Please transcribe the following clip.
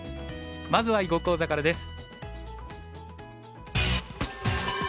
まずは囲碁講座からです。